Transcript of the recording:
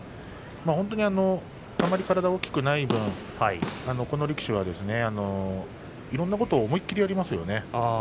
本当に、あまり体が大きくない分この力士は、いろいろなことを思い切りやりますよね。